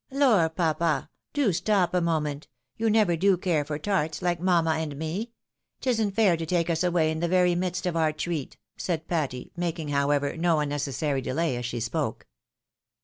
Lor, papa ! Do stopj'a moment. You never do care for tarts, like mamma and me.p 'Tisn't fair to take us away in the very midst of our treat," said Patty, making, however, no un necessary delay as she spoke.